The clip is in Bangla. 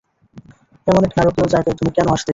এমন এক নারকীয় জায়গায় তুমি কেন আসতে গেলে?